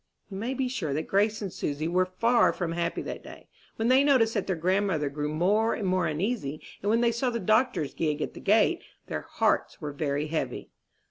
You may be sure that Grace and Susy were far from happy that day. When they noticed that their grandmother grew more and more uneasy, and when they saw the doctor's gig at the gate, their hearts were very heavy.